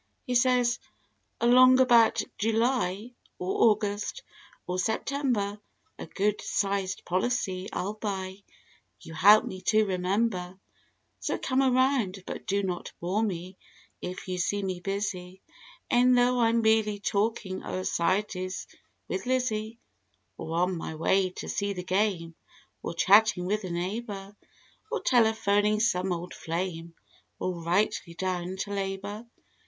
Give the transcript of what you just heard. He says "Along about July, or August or September A good sized policy I'll buy, you help me to remem¬ ber. So come around but do not bore me if you see me busy. E'en though I'm merely talking o'er "Society's" with Lizzie; Or on my way to see the game; or chatting with a neighbor; Or telephoning some "old flame;" or rightly down to labor.